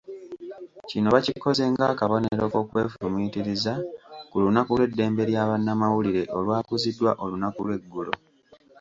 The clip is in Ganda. Kino bakikoze ng'akabonero k'okwefumiitiriza ku lunaku lw'eddembe lya bannamawulire olwakuziddwa olunaku lw'eggulo.